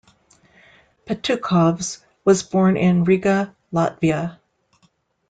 Petukhovs was born in Riga, Latvia.